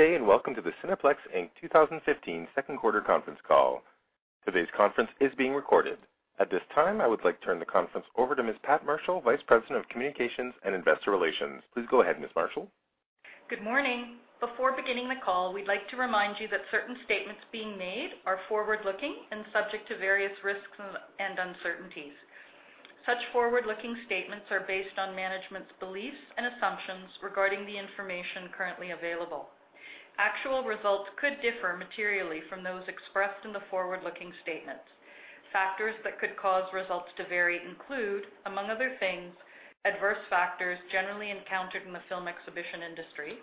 Good day. Welcome to the Cineplex Inc. 2015 second quarter conference call. Today's conference is being recorded. At this time, I would like to turn the conference over to Ms. Pat Marshall, Vice President of Communications and Investor Relations. Please go ahead, Ms. Marshall. Good morning. Before beginning the call, we'd like to remind you that certain statements being made are forward-looking and subject to various risks and uncertainties. Such forward-looking statements are based on management's beliefs and assumptions regarding the information currently available. Actual results could differ materially from those expressed in the forward-looking statements. Factors that could cause results to vary include, among other things, adverse factors generally encountered in the film exhibition industry,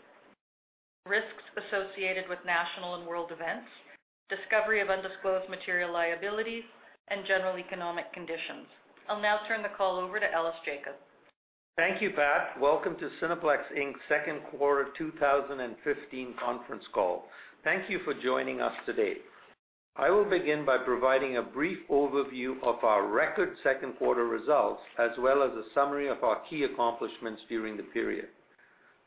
risks associated with national and world events, discovery of undisclosed material liabilities, and general economic conditions. I'll now turn the call over to Ellis Jacob. Thank you, Pat. Welcome to Cineplex Inc.'s second quarter 2015 conference call. Thank you for joining us today. I will begin by providing a brief overview of our record second quarter results, as well as a summary of our key accomplishments during the period.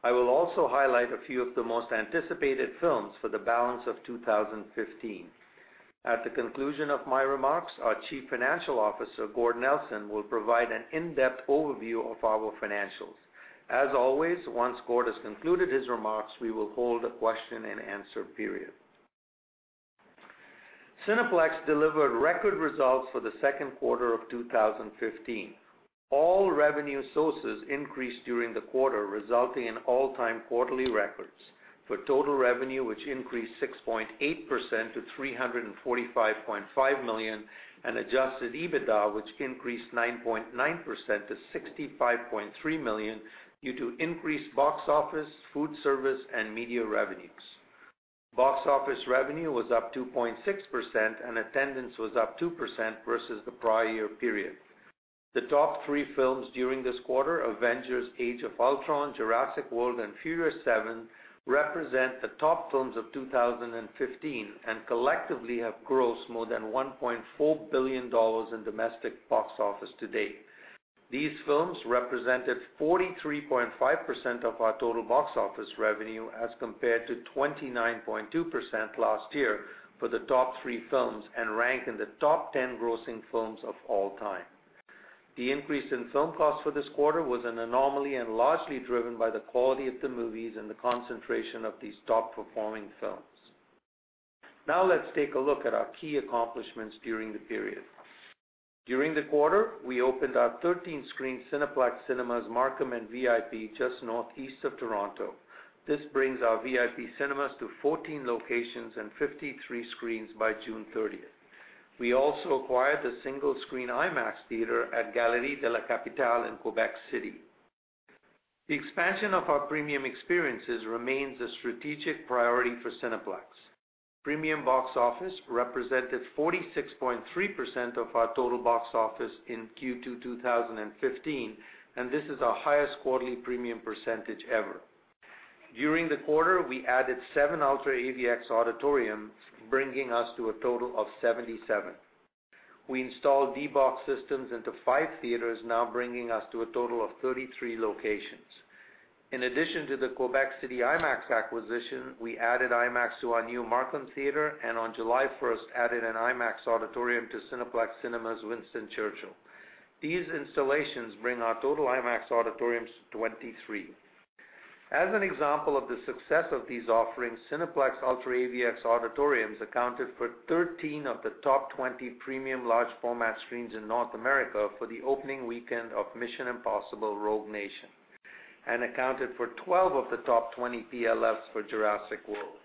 I will also highlight a few of the most anticipated films for the balance of 2015. At the conclusion of my remarks, our Chief Financial Officer, Gord Nelson, will provide an in-depth overview of our financials. As always, once Gord has concluded his remarks, we will hold a question-and-answer period. Cineplex delivered record results for the second quarter of 2015. All revenue sources increased during the quarter, resulting in all-time quarterly records for total revenue, which increased 6.8% to 345.5 million, and adjusted EBITDA, which increased 9.9% to 65.3 million due to increased box office, food service, and media revenues. Box office revenue was up 2.6%. Attendance was up 2% versus the prior year period. The top three films during this quarter, "Avengers: Age of Ultron", "Jurassic World", and "Furious 7", represent the top films of 2015 and collectively have grossed more than $1.4 billion in domestic box office to date. These films represented 43.5% of our total box office revenue as compared to 29.2% last year for the top three films and rank in the top 10 grossing films of all time. The increase in film costs for this quarter was an anomaly and largely driven by the quality of the movies and the concentration of these top-performing films. Now let's take a look at our key accomplishments during the period. During the quarter, we opened our 13-screen Cineplex Cinemas Markham and VIP, just northeast of Toronto. This brings our VIP Cinemas to 14 locations and 53 screens by June 30th. We also acquired the single-screen IMAX theater at Galerie de la Capitale in Quebec City. The expansion of our premium experiences remains a strategic priority for Cineplex. Premium box office represented 46.3% of our total box office in Q2 2015, and this is our highest quarterly premium percentage ever. During the quarter, we added seven UltraAVX auditoriums, bringing us to a total of 77. We installed D-BOX systems into five theaters, now bringing us to a total of 33 locations. In addition to the Quebec City IMAX acquisition, we added IMAX to our new Markham theater and on July 1st added an IMAX auditorium to Cineplex Cinemas Winston Churchill. These installations bring our total IMAX auditoriums to 23. As an example of the success of these offerings, Cineplex UltraAVX auditoriums accounted for 13 of the top 20 premium large-format screens in North America for the opening weekend of "Mission: Impossible – Rogue Nation" and accounted for 12 of the top 20 PLFs for "Jurassic World".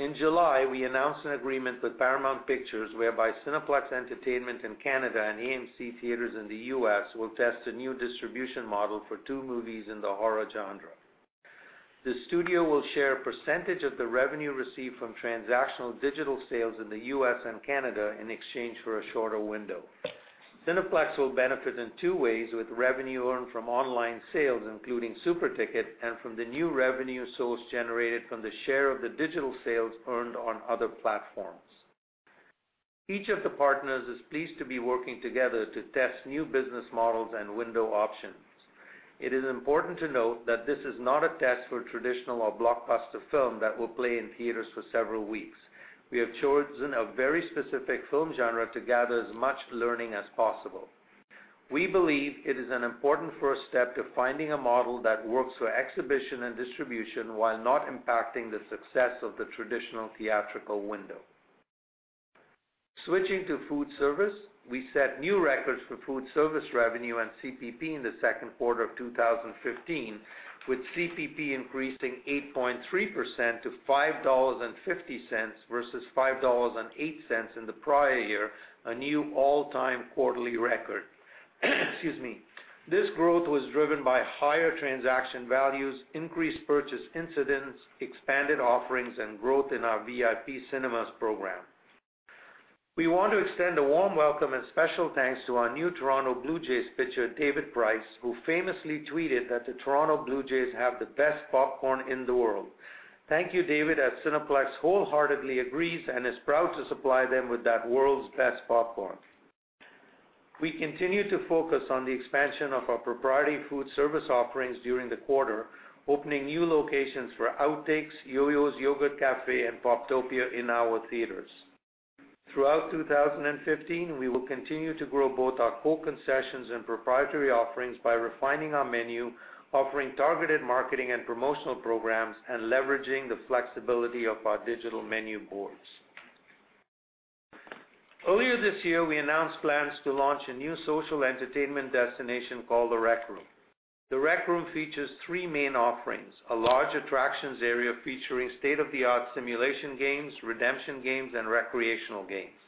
In July, we announced an agreement with Paramount Pictures whereby Cineplex Entertainment in Canada and AMC Theatres in the U.S. will test a new distribution model for two movies in the horror genre. The studio will share a percentage of the revenue received from transactional digital sales in the U.S. and Canada in exchange for a shorter window. Cineplex will benefit in two ways, with revenue earned from online sales, including SuperTicket, and from the new revenue source generated from the share of the digital sales earned on other platforms. Each of the partners is pleased to be working together to test new business models and window options. It is important to note that this is not a test for a traditional or blockbuster film that will play in theaters for several weeks. We have chosen a very specific film genre to gather as much learning as possible. We believe it is an important first step to finding a model that works for exhibition and distribution while not impacting the success of the traditional theatrical window. Switching to food service, we set new records for food service revenue and CPP in the second quarter of 2015, with CPP increasing 8.3% to 5.50 dollars versus 5.08 dollars in the prior year, a new all-time quarterly record. Excuse me. This growth was driven by higher transaction values, increased purchase incidents, expanded offerings, and growth in our VIP Cinemas program. We want to extend a warm welcome and special thanks to our new Toronto Blue Jays pitcher, David Price, who famously tweeted that the Toronto Blue Jays have the best popcorn in the world. Thank you, David, as Cineplex wholeheartedly agrees and is proud to supply them with that world's best popcorn. We continue to focus on the expansion of our proprietary food service offerings during the quarter, opening new locations for Outtakes, YoYo's Yogurt Cafe, and Poptopia in our theaters. Throughout 2015, we will continue to grow both our core concessions and proprietary offerings by refining our menu, offering targeted marketing and promotional programs, and leveraging the flexibility of our digital menu boards. Earlier this year, we announced plans to launch a new social entertainment destination called The Rec Room. The Rec Room features three main offerings, a large attractions area featuring state-of-the-art simulation games, redemption games, and recreational games.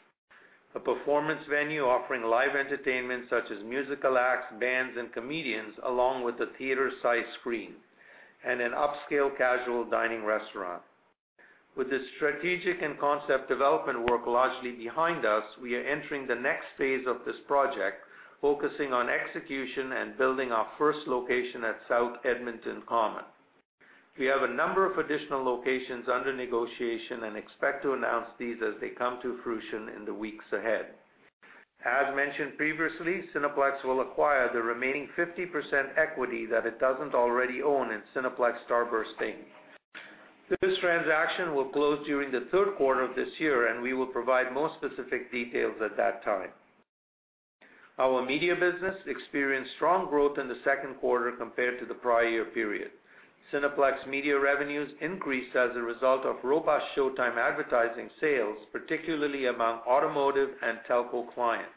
A performance venue offering live entertainment such as musical acts, bands, and comedians, along with a theater-size screen, and an upscale casual dining restaurant. With the strategic and concept development work largely behind us, we are entering the next phase of this project, focusing on execution and building our first location at South Edmonton Common. We have a number of additional locations under negotiation and expect to announce these as they come to fruition in the weeks ahead. As mentioned previously, Cineplex will acquire the remaining 50% equity that it doesn't already own in Cineplex Starburst Inc. This transaction will close during the third quarter of this year, and we will provide more specific details at that time. Our media business experienced strong growth in the second quarter compared to the prior year period. Cineplex Media revenues increased as a result of robust showtime advertising sales, particularly among automotive and telco clients.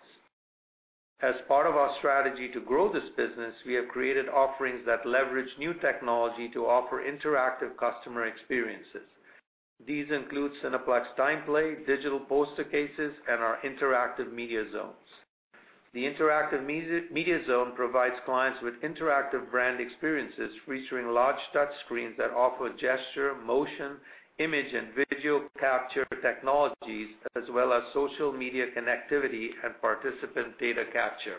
As part of our strategy to grow this business, we have created offerings that leverage new technology to offer interactive customer experiences. These include TimePlay, digital poster cases, and our interactive media zones. The interactive media zone provides clients with interactive brand experiences featuring large touch screens that offer gesture, motion, image, and video capture technologies, as well as social media connectivity and participant data capture.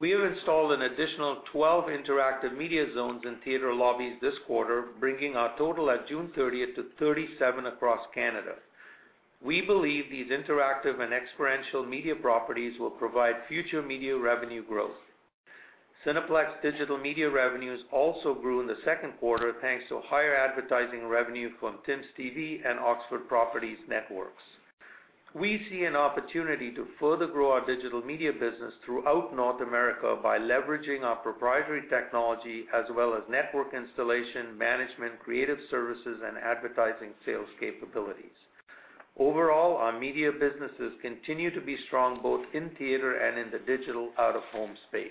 We have installed an additional 12 interactive media zones in theater lobbies this quarter, bringing our total at June 30th to 37 across Canada. We believe these interactive and experiential media properties will provide future media revenue growth. Cineplex Digital Media revenues also grew in the second quarter, thanks to higher advertising revenue from TimsTV and Oxford Properties networks. We see an opportunity to further grow our digital media business throughout North America by leveraging our proprietary technology as well as network installation, management, creative services, and advertising sales capabilities. Overall, our media businesses continue to be strong both in theater and in the digital out-of-home space.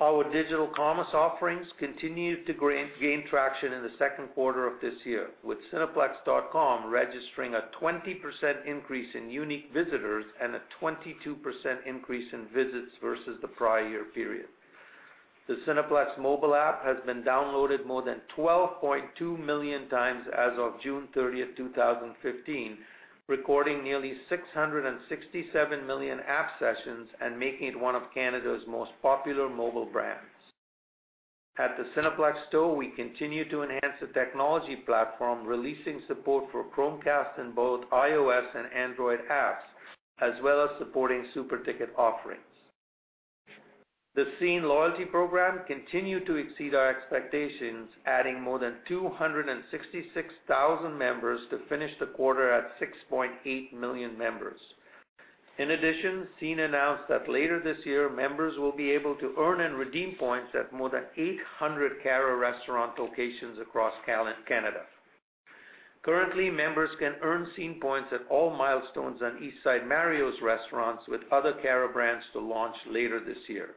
Our digital commerce offerings continued to gain traction in the second quarter of this year, with cineplex.com registering a 20% increase in unique visitors and a 22% increase in visits versus the prior year period. The Cineplex mobile app has been downloaded more than 12.2 million times as of June 30th, 2015, recording nearly 667 million app sessions and making it one of Canada's most popular mobile brands. At the Cineplex Store, we continue to enhance the technology platform, releasing support for Chromecast in both iOS and Android apps, as well as supporting SuperTicket offerings. The Scene loyalty program continued to exceed our expectations, adding more than 266,000 members to finish the quarter at 6.8 million members. In addition, Scene announced that later this year, members will be able to earn and redeem points at more than 800 Cara restaurant locations across Canada. Currently, members can earn Scene points at all Milestones and East Side Mario's restaurants, with other Cara brands to launch later this year.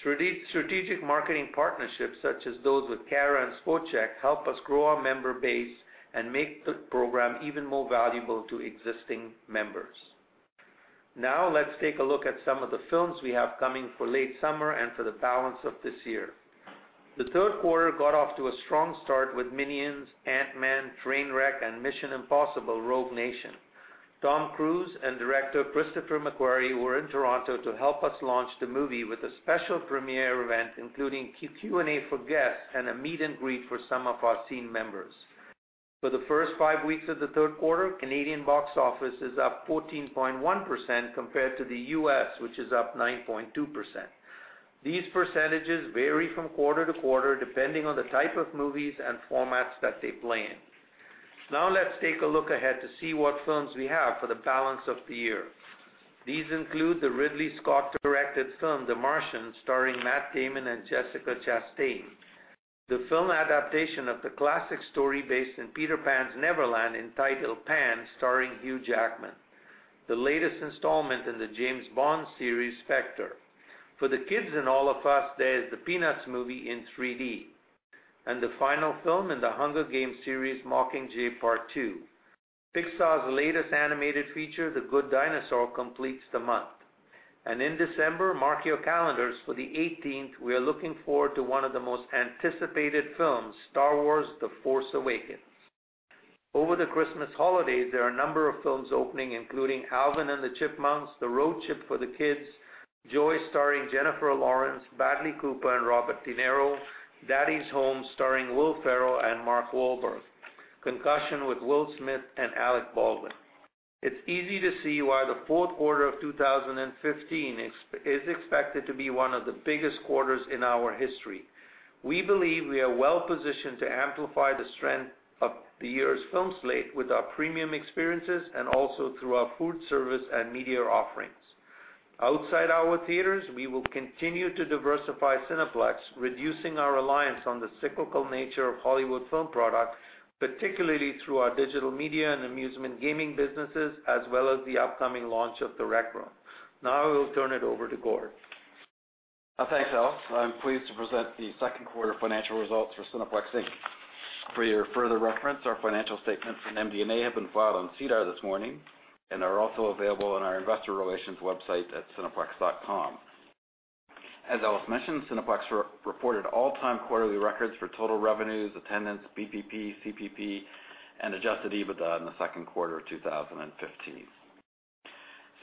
Strategic marketing partnerships such as those with Cara and Sport Chek help us grow our member base and make the program even more valuable to existing members. Let's take a look at some of the films we have coming for late summer and for the balance of this year. The third quarter got off to a strong start with Minions, Ant-Man, Trainwreck, and Mission: Impossible – Rogue Nation. Tom Cruise and director Christopher McQuarrie were in Toronto to help us launch the movie with a special premiere event, including Q&A for guests and a meet and greet for some of our Scene members. For the first five weeks of the third quarter, Canadian box office is up 14.1% compared to the U.S., which is up 9.2%. These percentages vary from quarter to quarter, depending on the type of movies and formats that they play in. Let's take a look ahead to see what films we have for the balance of the year. These include the Ridley Scott-directed film, The Martian, starring Matt Damon and Jessica Chastain. The film adaptation of the classic story based in Peter Pan's Neverland entitled Pan, starring Hugh Jackman. The latest installment in the James Bond series, Spectre. For the kids and all of us, there's The Peanuts Movie in 3D. The final film in The Hunger Games series, Mockingjay Part 2. Pixar's latest animated feature, The Good Dinosaur, completes the month. In December, mark your calendars for the 18th. We are looking forward to one of the most anticipated films, Star Wars: The Force Awakens. Over the Christmas holiday, there are a number of films opening, including Alvin and the Chipmunks: The Road Chip for the kids. "Joy", starring Jennifer Lawrence, Bradley Cooper, and Robert De Niro. "Daddy's Home" starring Will Ferrell and Mark Wahlberg. "Concussion" with Will Smith and Alec Baldwin. It's easy to see why the fourth quarter of 2015 is expected to be one of the biggest quarters in our history. We believe we are well-positioned to amplify the strength of the year's film slate with our premium experiences, and also through our food service and media offerings. Outside our theaters, we will continue to diversify Cineplex, reducing our reliance on the cyclical nature of Hollywood film product, particularly through our digital media and amusement gaming businesses, as well as the upcoming launch of The Rec Room. I will turn it over to Gord. Thanks, Ellis. I'm pleased to present the second quarter financial results for Cineplex Inc. For your further reference, our financial statements on MD&A have been filed on SEDAR this morning and are also available on our investor relations website at cineplex.com. As Ellis mentioned, Cineplex reported all-time quarterly records for total revenues, attendance, BPP, CPP, and adjusted EBITDA in the second quarter of 2015.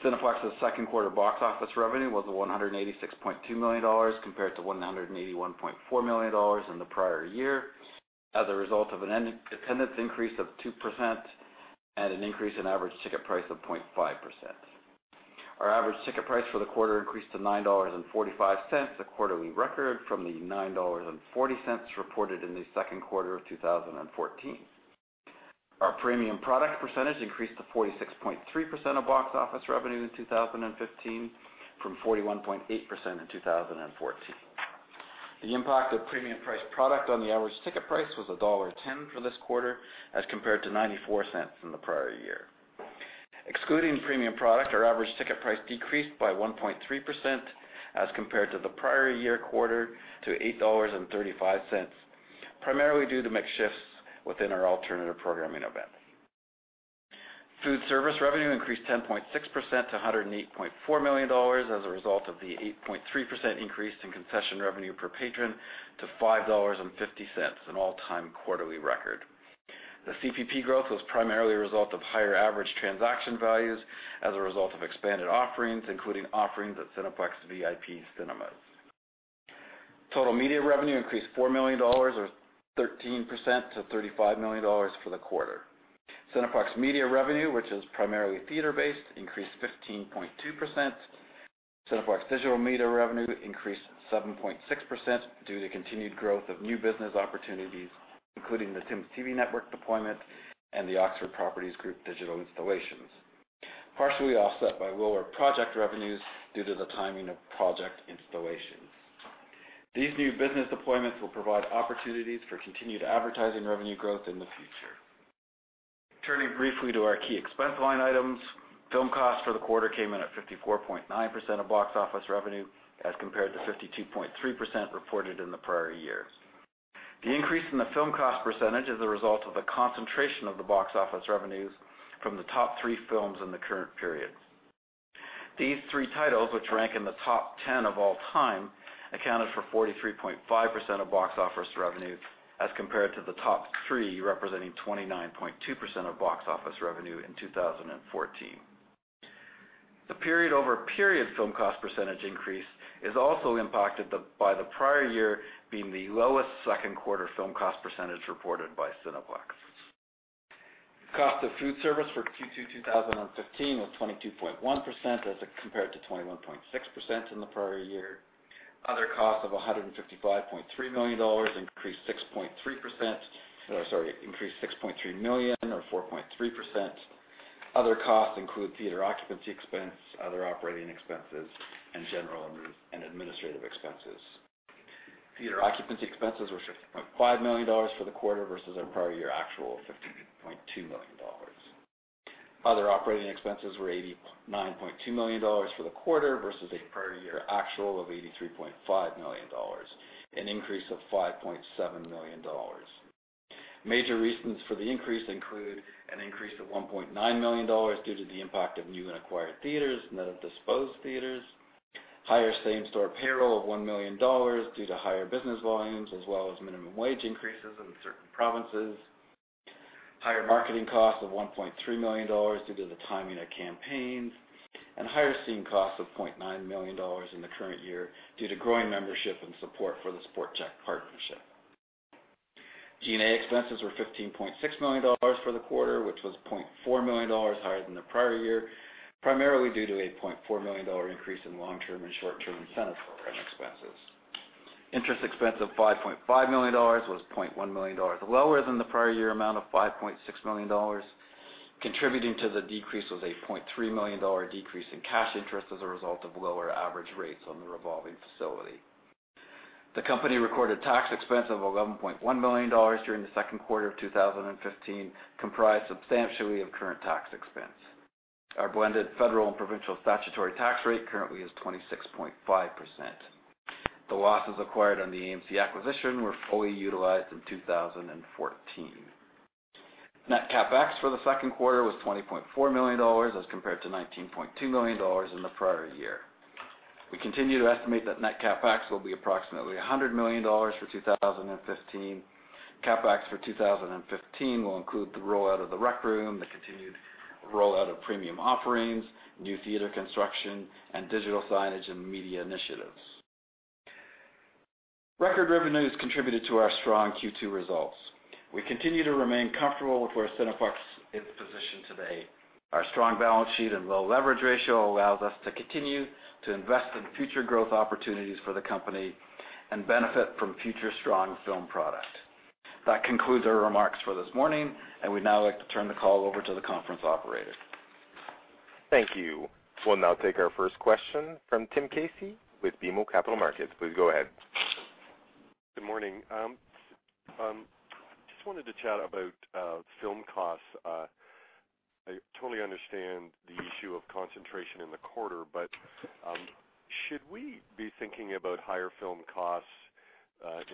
Cineplex's second quarter box office revenue was 186.2 million dollars, compared to 181.4 million dollars in the prior year, as a result of an attendance increase of 2% and an increase in average ticket price of 0.5%. Our average ticket price for the quarter increased to 9.45 dollars, a quarterly record from the 9.40 dollars reported in the second quarter of 2014. Our premium product percentage increased to 46.3% of box office revenue in 2015 from 41.8% in 2014. The impact of premium-priced product on the average ticket price was dollar 1.10 for this quarter as compared to 0.94 in the prior year. Excluding premium product, our average ticket price decreased by 1.3% as compared to the prior year quarter to 8.35 dollars, primarily due to mix shifts within our alternative programming event. Food service revenue increased 10.6% to 108.4 million dollars as a result of the 8.3% increase in concession revenue per patron to 5.50 dollars, an all-time quarterly record. The CPP growth was primarily a result of higher average transaction values as a result of expanded offerings, including offerings at Cineplex VIP Cinemas. Total media revenue increased 4 million dollars or 13% to 35 million dollars for the quarter. Cineplex Media revenue, which is primarily theater-based, increased 15.2%. Cineplex Digital Media revenue increased 7.6% due to continued growth of new business opportunities, including the TimsTV network deployment and the Oxford Properties Group digital installations, partially offset by lower project revenues due to the timing of project installations. These new business deployments will provide opportunities for continued advertising revenue growth in the future. Turning briefly to our key expense line items. Film cost for the quarter came in at 54.9% of box office revenue as compared to 52.3% reported in the prior year. The increase in the film cost percentage is a result of the concentration of the box office revenues from the top three films in the current period. These three titles, which rank in the top 10 of all time, accounted for 43.5% of box office revenue as compared to the top three representing 29.2% of box office revenue in 2014. The period-over-period film cost percentage increase is also impacted by the prior year being the lowest second quarter film cost percentage reported by Cineplex. Cost of food service for Q2 2015 was 22.1% as compared to 21.6% in the prior year. Other costs of 155.3 million dollars increased 6.3 million or 4.3%. Other costs include theater occupancy expense, other operating expenses, and general and administrative expenses. Theater occupancy expenses were 50.5 million dollars for the quarter versus our prior year actual of 50.2 million dollars. Other operating expenses were 89.2 million dollars for the quarter versus a prior year actual of 83.5 million dollars, an increase of 5.7 million dollars. Major reasons for the increase include an increase of 1.9 million dollars due to the impact of new and acquired theaters, net of disposed theaters. Higher same-store payroll of 1 million dollars due to higher business volumes as well as minimum wage increases in certain provinces. Higher marketing costs of 1.3 million dollars due to the timing of campaigns. Higher Scene costs of 0.9 million dollars in the current year due to growing membership and support for the Sport Chek partnership. G&A expenses were 15.6 million dollars for the quarter, which was 0.4 million dollars higher than the prior year, primarily due to a 0.4 million dollar increase in long-term and short-term incentive program expenses. Interest expense of 5.5 million dollars was 0.1 million dollars lower than the prior year amount of 5.6 million dollars. Contributing to the decrease was a 0.3 million dollar decrease in cash interest as a result of lower average rates on the revolving facility. The company recorded tax expense of 11.1 million dollars during the second quarter of 2015, comprised substantially of current tax expense. Our blended federal and provincial statutory tax rate currently is 26.5%. The losses acquired on the AMC acquisition were fully utilized in 2014. Net CapEx for the second quarter was 20.4 million dollars as compared to 19.2 million dollars in the prior year. We continue to estimate that net CapEx will be approximately 100 million dollars for 2015. CapEx for 2015 will include the rollout of The Rec Room, the continued rollout of premium offerings, new theater construction, and digital signage and media initiatives. Record revenues contributed to our strong Q2 results. We continue to remain comfortable with where Cineplex is positioned today. Our strong balance sheet and low leverage ratio allows us to continue to invest in future growth opportunities for the company and benefit from future strong film product. That concludes our remarks for this morning, and we'd now like to turn the call over to the conference operator. Thank you. We'll now take our first question from Tim Casey with BMO Capital Markets. Please go ahead. Good morning. Just wanted to chat about film costs. I totally understand the issue of concentration in the quarter, should we be thinking about higher film costs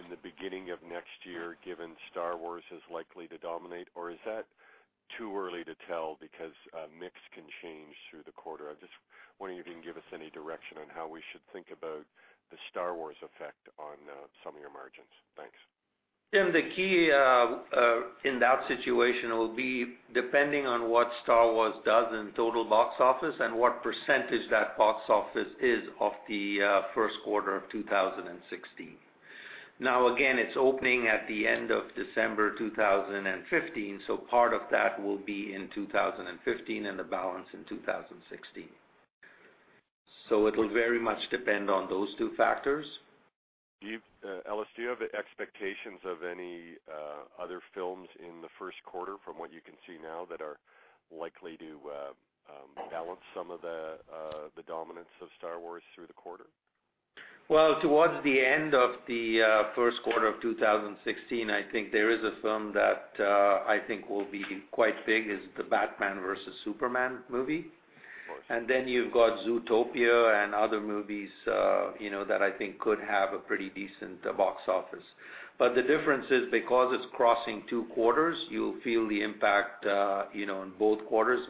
in the beginning of next year, given Star Wars is likely to dominate? Is that too early to tell because mix can change through the quarter? I'm just wondering if you can give us any direction on how we should think about the Star Wars effect on some of your margins. Thanks. Tim, the key in that situation will be depending on what "Star Wars" does in total box office and what percentage that box office is of the first quarter of 2016. Again, it's opening at the end of December 2015, part of that will be in 2015 and the balance in 2016. It'll very much depend on those two factors. Ellis, do you have expectations of any other films in the first quarter from what you can see now that are likely to balance some of the dominance of "Star Wars" through the quarter? Well, towards the end of the first quarter of 2016, I think there is a film that I think will be quite big is the "Batman versus Superman" movie. Of course. You've got "Zootopia" and other movies that I think could have a pretty decent box office. The difference is because it's crossing two quarters, you'll feel the impact in both quarters.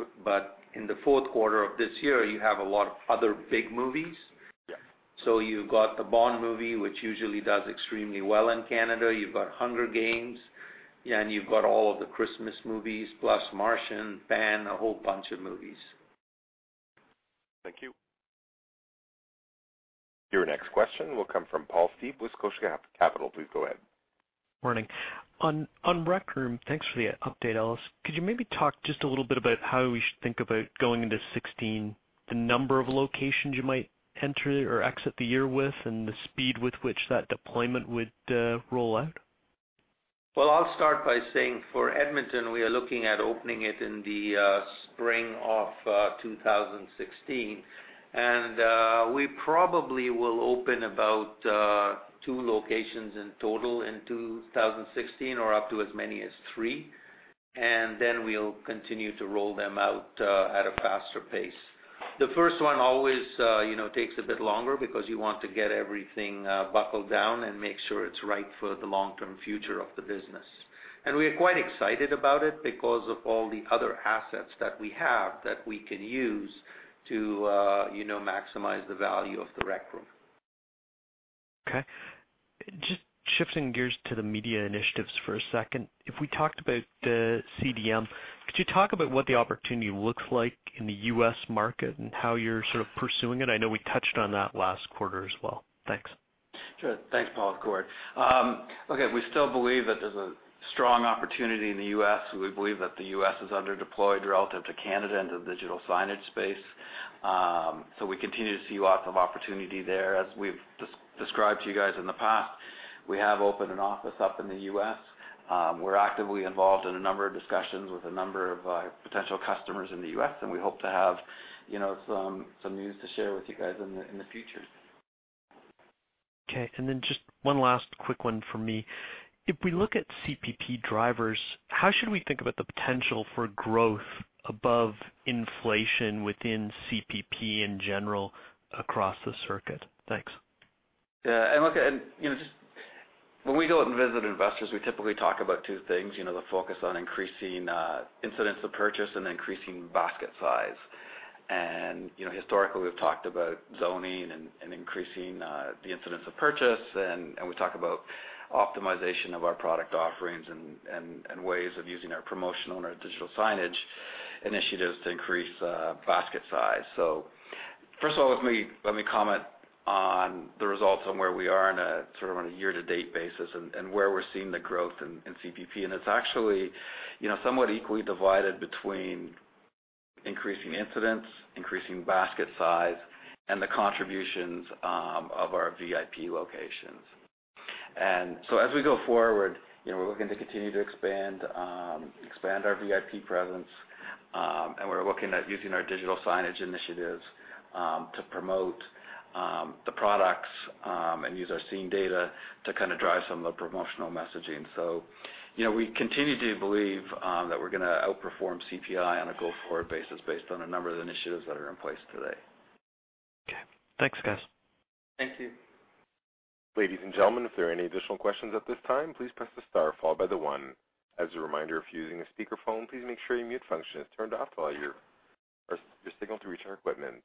In the fourth quarter of this year, you have a lot of other big movies. Yeah. You've got the "Bond" movie, which usually does extremely well in Canada. You've got "Hunger Games" and you've got all of the Christmas movies, plus "Martian," "Pan," a whole bunch of movies. Thank you. Your next question will come from Paul Tyeth with Scotia Capital. Please go ahead. Morning. On The Rec Room, thanks for the update, Ellis. Could you maybe talk just a little bit about how we should think about going into 2016, the number of locations you might enter or exit the year with and the speed with which that deployment would roll out? Well, I'll start by saying for Edmonton, we are looking at opening it in the spring of 2016. We probably will open about two locations in total in 2016 or up to as many as three, then we'll continue to roll them out at a faster pace. The first one always takes a bit longer because you want to get everything buckled down and make sure it's right for the long-term future of the business. We're quite excited about it because of all the other assets that we have that we can use to maximize the value of The Rec Room. Okay. Just shifting gears to the media initiatives for a second. If we talked about CDM, could you talk about what the opportunity looks like in the U.S. market and how you're sort of pursuing it? I know we touched on that last quarter as well. Thanks. Sure. Thanks, Paul. Of course. Okay. We still believe that there's a strong opportunity in the U.S. We believe that the U.S. is under deployed relative to Canada in the digital signage space. We continue to see lots of opportunity there. As we've described to you guys in the past, we have opened an office up in the U.S. We're actively involved in a number of discussions with a number of potential customers in the U.S., and we hope to have some news to share with you guys in the future. Okay. Just one last quick one for me. If we look at CPP drivers, how should we think about the potential for growth above inflation within CPP in general across the circuit? Thanks. Yeah. When we go out and visit investors, we typically talk about two things, the focus on increasing incidents of purchase and increasing basket size. Historically, we've talked about zoning and increasing the incidents of purchase, we talk about optimization of our product offerings and ways of using our promotional and our digital signage initiatives to increase basket size. First of all, let me comment on the results on where we are on a year-to-date basis and where we're seeing the growth in CPP. It's actually somewhat equally divided between increasing incidents, increasing basket size, and the contributions of our VIP locations. As we go forward, we're looking to continue to expand our VIP presence, we're looking at using our digital signage initiatives to promote the products, use our Scene data to drive some of the promotional messaging. We continue to believe that we're going to outperform CPI on a go-forward basis based on a number of the initiatives that are in place today. Okay. Thanks, guys. Thank you. Ladies and gentlemen, if there are any additional questions at this time, please press the star followed by the one. As a reminder, if you're using a speakerphone, please make sure your mute function is turned off while you're Your signal to reach our equipment.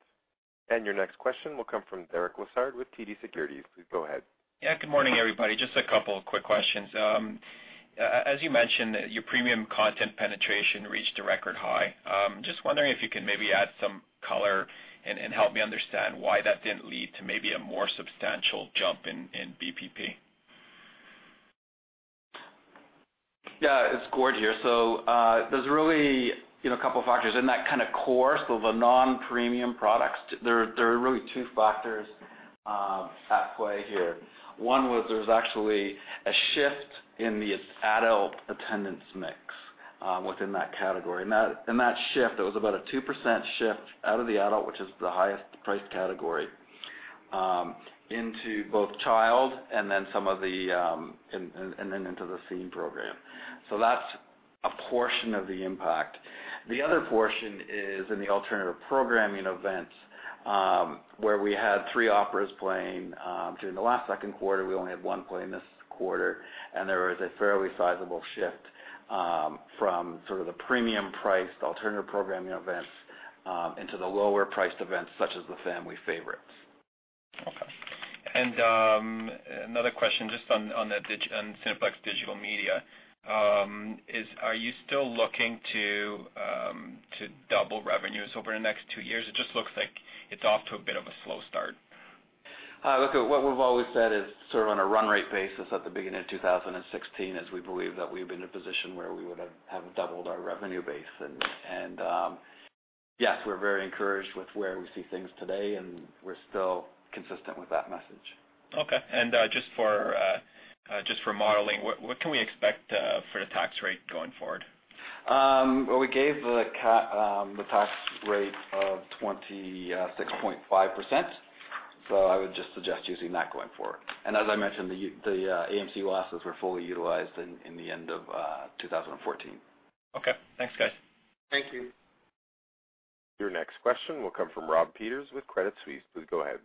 Your next question will come from Derek Lessard with TD Securities. Please go ahead. Yeah. Good morning, everybody. Just a couple of quick questions. As you mentioned, your premium content penetration reached a record high. Just wondering if you can maybe add some color and help me understand why that didn't lead to maybe a more substantial jump in BPP. Gord here. There's really a couple of factors in that core. The non-premium products, there are really two factors at play here. One was there was actually a shift in the adult attendance mix within that category. That shift, it was about a 2% shift out of the adult, which is the highest priced category, into both child and then into the Scene program. That's a portion of the impact. The other portion is in the alternative programming events, where we had three operas playing during the last second quarter, we only had one play in this quarter, and there was a fairly sizable shift from sort of the premium-priced alternative programming events into the lower-priced events such as the family favorites. Okay. Another question just on Cineplex Digital Media, are you still looking to double revenues over the next two years? It just looks like it's off to a bit of a slow start. Look, what we've always said is sort of on a run rate basis at the beginning of 2016, as we believe that we've been in a position where we would have doubled our revenue base, and yes, we're very encouraged with where we see things today, and we're still consistent with that message. Okay. Just for modeling, what can we expect for the tax rate going forward? We gave the tax rate of 26.5%. I would just suggest using that going forward. As I mentioned, the AMC losses were fully utilized in the end of 2014. Okay, thanks guys. Thank you. Your next question will come from Rob Peters with Credit Suisse. Please go ahead.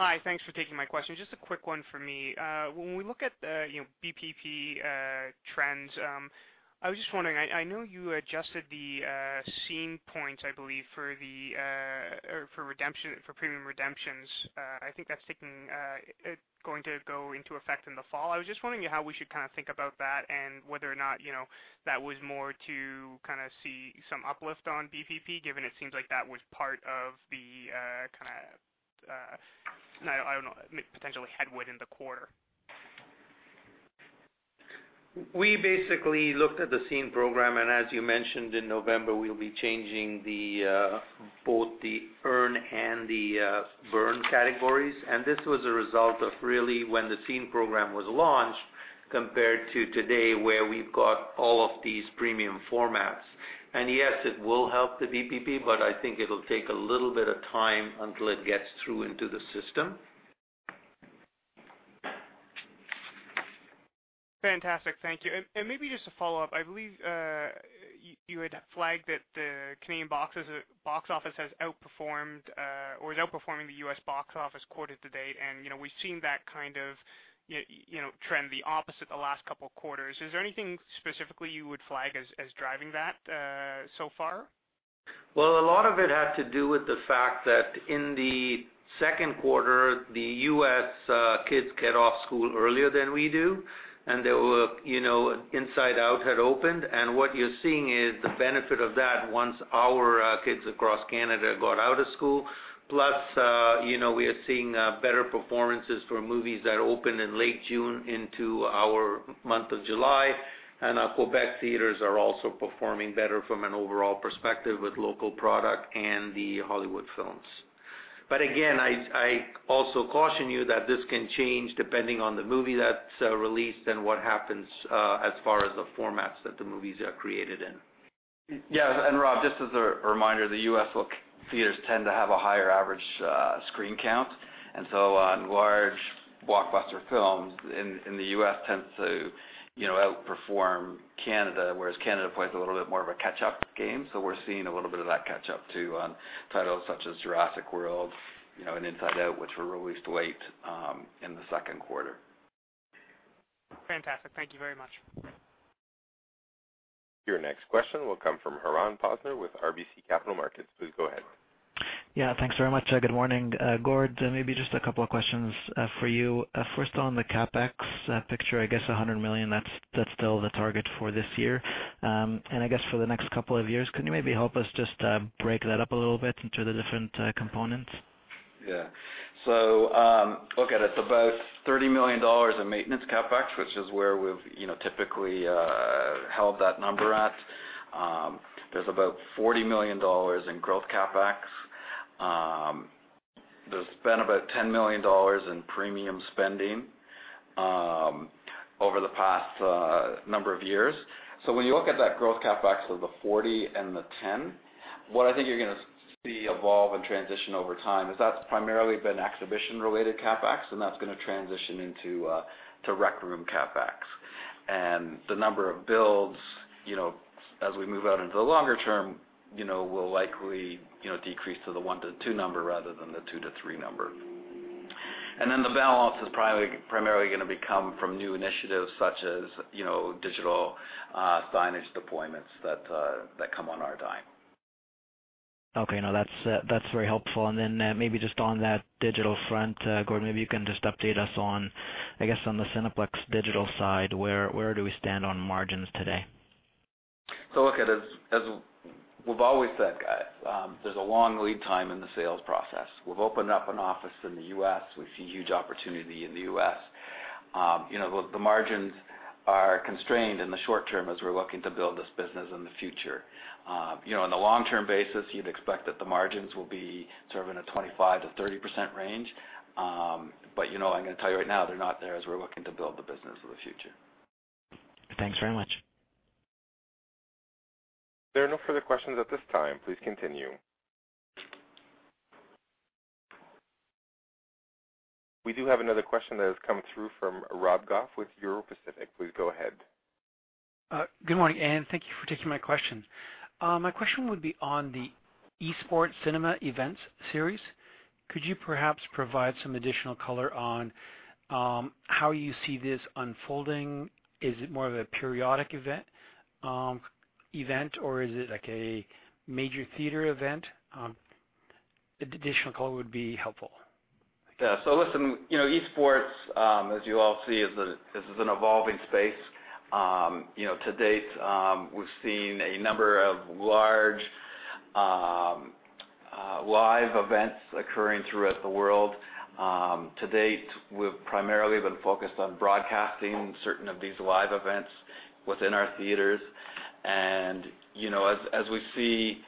Hi, thanks for taking my question. Just a quick one for me. When we look at BPP trends, I was just wondering, I know you adjusted the Scene points, I believe, for premium redemptions. I think that's going to go into effect in the fall. I was just wondering how we should think about that and whether or not that was more to see some uplift on BPP, given it seems like that was part of the, I don't know, potentially headwind in the quarter. We basically looked at the Scene program, as you mentioned, in November, we'll be changing both the earn and the burn categories. This was a result of really when the Scene program was launched compared to today, where we've got all of these premium formats. Yes, it will help the BPP, but I think it'll take a little bit of time until it gets through into the system. Fantastic. Thank you. Maybe just a follow-up. I believe you had flagged that the Canadian box office has outperformed or is outperforming the U.S. box office quarter to date, and we've seen that kind of trend the opposite the last couple of quarters. Is there anything specifically you would flag as driving that so far? Well, a lot of it had to do with the fact that in the second quarter, the U.S. kids get off school earlier than we do, and Inside Out had opened, and what you're seeing is the benefit of that once our kids across Canada got out of school. We are seeing better performances for movies that open in late June into our month of July, and our Quebec theaters are also performing better from an overall perspective with local product and the Hollywood films. Again, I also caution you that this can change depending on the movie that's released and what happens as far as the formats that the movies are created in. Yeah. Rob, just as a reminder, the U.S. theaters tend to have a higher average screen count, on large blockbuster films in the U.S. tends to outperform Canada, whereas Canada plays a little bit more of a catch-up game. We're seeing a little bit of that catch-up, too, on titles such as "Jurassic World" and "Inside Out", which were released late in the second quarter. Fantastic. Thank you very much. Your next question will come from Haran Posner with RBC Capital Markets. Please go ahead. Yeah, thanks very much. Good morning. Gord, maybe just a couple of questions for you. First on the CapEx picture, I guess 100 million, that's still the target for this year. I guess for the next couple of years, could you maybe help us just break that up a little bit into the different components? Yeah. Look at it. It's about 30 million dollars in maintenance CapEx, which is where we've typically held that number at. There's about 40 million dollars in growth CapEx. There's been about 10 million dollars in premium spending over the past number of years. When you look at that growth CapEx of the 40 and the 10, what I think you're going to see evolve and transition over time is that's primarily been exhibition-related CapEx, and that's going to transition into Rec Room CapEx. The number of builds, as we move out into the longer term, will likely decrease to the one to two number rather than the two to three number. The balance is primarily going to come from new initiatives such as digital signage deployments that come on our dime. Okay. No, that's very helpful. Maybe just on that digital front, Gord, maybe you can just update us on the Cineplex digital side, where do we stand on margins today? Look, as we've always said, guys, there's a long lead time in the sales process. We've opened up an office in the U.S. We see huge opportunity in the U.S. The margins are constrained in the short term as we're looking to build this business in the future. On the long-term basis, you'd expect that the margins will be in a 25%-30% range. I'm going to tell you right now, they're not there as we're looking to build the business for the future. Thanks very much. There are no further questions at this time. Please continue. We do have another question that has come through from Rob Goff with Euro Pacific. Please go ahead. Good morning, thank you for taking my question. My question would be on the Esports cinema events series. Could you perhaps provide some additional color on how you see this unfolding? Is it more of a periodic event, or is it like a major theater event? Additional color would be helpful. Yeah. Listen, Esports, as you all see, this is an evolving space. To date, we've seen a number of large live events occurring throughout the world. To date, we've primarily been focused on broadcasting certain of these live events within our theaters. As we see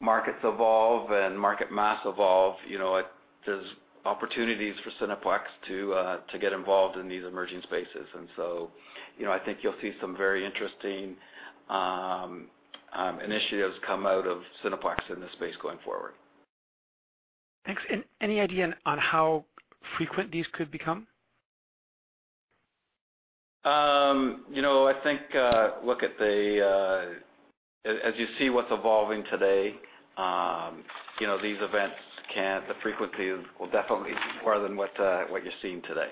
markets evolve and market mass evolve, there's opportunities for Cineplex to get involved in these emerging spaces. I think you'll see some very interesting initiatives come out of Cineplex in this space going forward. Thanks. Any idea on how frequent these could become? I think, as you see what's evolving today, these events, the frequency will definitely be more than what you're seeing today.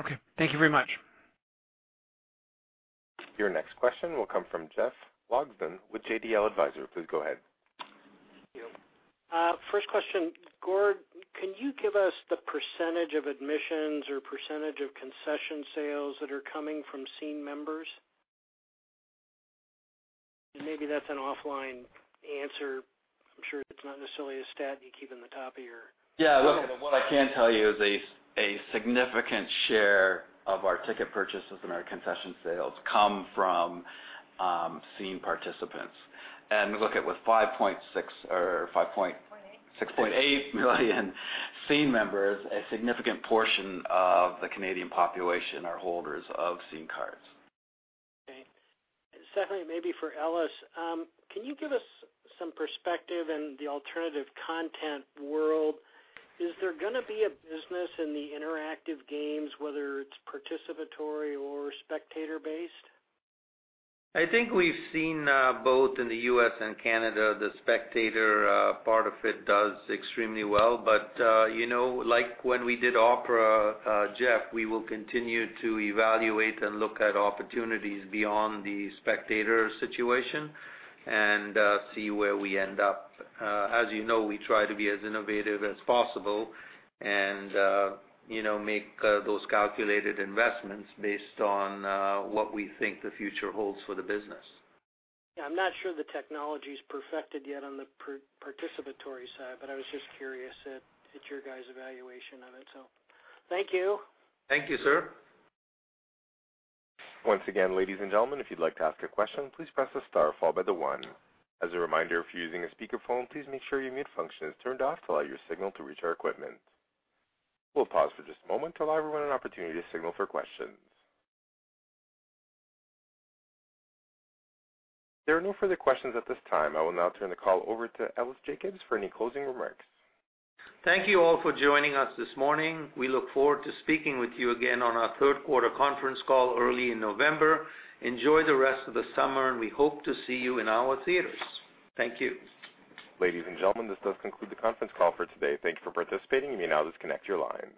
Okay. Thank you very much. Your next question will come from Jeff Logsdon with JDL Advisor. Please go ahead. Thank you. First question. Gord, can you give us the % of admissions or % of concession sales that are coming from Scene members? Maybe that's an offline answer. I'm sure it's not necessarily a stat you keep in the top of your head. Yeah. Look, what I can tell you is a significant share of our ticket purchases and our concession sales come from Scene participants. Look, with 5.6. 0.8 6.8 million Scene members, a significant portion of the Canadian population are holders of Scene cards. Okay. Secondly, maybe for Ellis, can you give us some perspective in the alternative content world, is there going to be a business in the interactive games, whether it's participatory or spectator-based? I think we've seen both in the U.S. and Canada, the spectator part of it does extremely well. Like when we did opera, Jeff, we will continue to evaluate and look at opportunities beyond the spectator situation and see where we end up. As you know, we try to be as innovative as possible and make those calculated investments based on what we think the future holds for the business. Yeah, I'm not sure the technology's perfected yet on the participatory side, but I was just curious at your guys' evaluation of it. Thank you. Thank you, sir. Once again, ladies and gentlemen, if you'd like to ask a question, please press the star followed by the one. As a reminder, if you're using a speakerphone, please make sure your mute function is turned off to allow your signal to reach our equipment. We'll pause for just a moment to allow everyone an opportunity to signal for questions. There are no further questions at this time. I will now turn the call over to Ellis Jacob for any closing remarks. Thank you all for joining us this morning. We look forward to speaking with you again on our third quarter conference call early in November. Enjoy the rest of the summer, we hope to see you in our theaters. Thank you. Ladies and gentlemen, this does conclude the conference call for today. Thank you for participating. You may now disconnect your line.